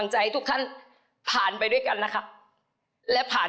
พี่เบสอยากจะฝากอะไรถึงทุกคนในช่วงท้าย